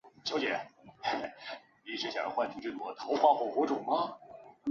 圣西拉罗西埃。